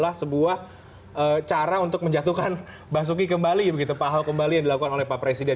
artinya dia nanti korban lagi